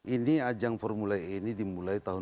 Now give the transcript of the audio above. ini ajang formula e ini dimulai tahun dua ribu dua